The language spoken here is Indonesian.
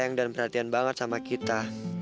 dia juga sangat perhatian banget sama kita